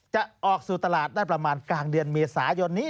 จะออกสู่ตลาดได้ประมาณกลางเดือนเมษายนนี้